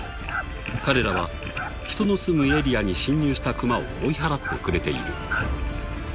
［彼らは人の住むエリアに侵入したクマを追い払ってくれている］